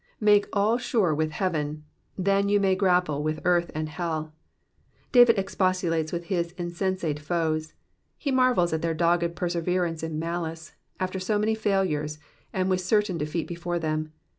Make all sure with heaven, then may you grapple with earth and hell. David expostulates with Ids insensate foes ; he marvels at their dogged perseverance m malice, after so many failures and with certain defeat before them.